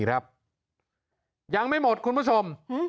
ยังไม่หมดคุณผู้ชม